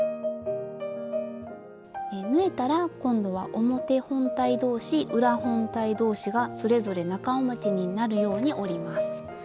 縫えたら今度は表本体どうし裏本体どうしがそれぞれ中表になるように折ります。